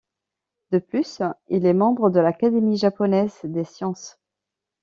De plus, il est membre de l'Académie japonaise des sciences.